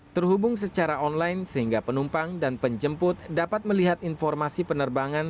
terhubung secara online sehingga penumpang dan penjemput dapat melihat informasi penerbangan